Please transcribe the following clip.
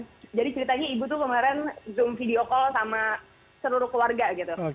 jadi ceritanya ibu tuh kemarin zoom video call sama seluruh keluarga gitu